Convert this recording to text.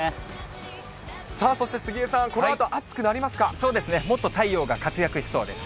さあそして杉江さん、このあと暑そうですね、もっと太陽が活躍しそうです。